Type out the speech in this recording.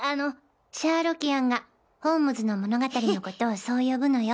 シャーロキアンがホームズの物語のことをそう呼ぶのよ。